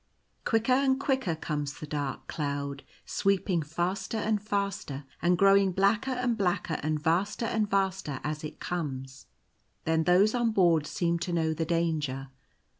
Quicker and quicker comes the dark cloud, sweeping faster and faster, and growing blacker and blacker and vaster and vaster as it comes. Then those on board seem to know the danger.